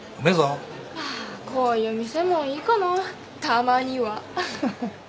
まあこういう店もいいかなたまには。